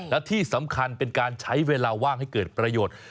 และที่สำคัญเป็นการใช้เวลาว่างให้เกิดประโยชน์